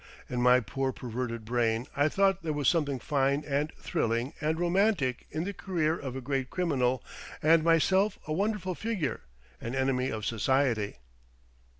In my poor, perverted brain I thought there was something fine and thrilling and romantic in the career of a great criminal and myself a wonderful figure an enemy of society!"